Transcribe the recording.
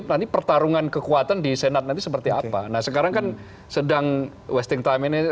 nanti pertarungan kekuatan di senat nanti seperti apa nah sekarang kan sedang wasting time ini